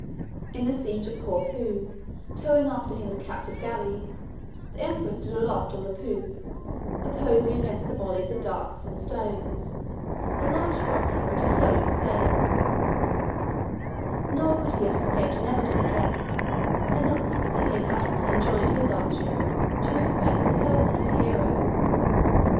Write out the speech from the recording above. In the siege of Corfu, towing after him a captive galley, the emperor stood aloft on the poop, opposing against the volleys of darts and stones, a large buckler and a flowing sail; nor could he have escaped inevitable death, had not the Sicilian admiral enjoined his archers to respect the person of a hero.